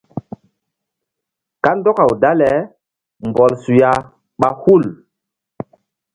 Kandɔkaw dale mbɔl suya ɓa hul.